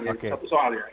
itu satu soal ya